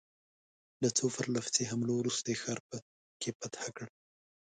له څو پرله پسې حملو وروسته یې ښار په کې فتح کړ.